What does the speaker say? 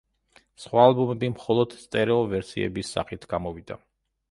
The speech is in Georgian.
სხვა ალბომები მხოლოდ სტერეო ვერსიების სახით გამოვიდა.